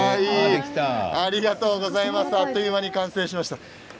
あっという間に完成しました。